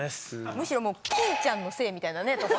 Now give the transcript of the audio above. むしろ欽ちゃんのせいみたいなとこ。